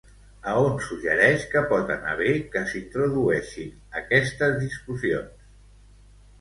A on suggereix que pot anar bé que s'introdueixin aquestes discussions?